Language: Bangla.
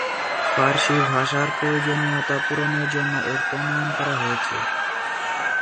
ফারসি ভাষার প্রয়োজনীয়তা পূরণের জন্য এর প্রণয়ন করা হয়েছে।